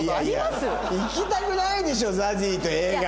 行きたくないでしょＺＡＺＹと映画。